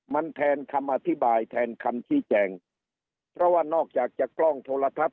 มันแทนคำอธิบายแทนคำชี้แจงเพราะว่านอกจากจะกล้องโทรทัศ